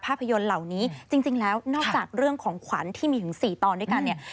ภาพยนตร์เหล่านี้จริงแล้วนอกจากเรื่องของขวัญที่มีถึง๔ตอนด้วยกันเนี่ย